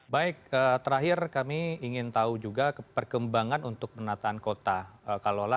baik terakhir kami ingin tahu juga perkembangan untuk penataan kota kalola